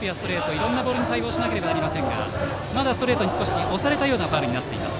いろいろなボールに対応しなければなりませんがまだストレートに押されたようなファウルになっています。